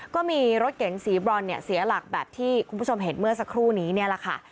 ก็มีรถเก๋งสีบรอนเนี่ยเสียหลักแบบที่คุณผู้ชมเห็นเมื่อสักครู่นี้เนี่ยแหละค่ะ